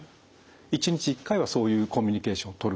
１日１回はそういうコミュニケーションをとると。